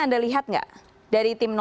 anda lihat nggak dari tim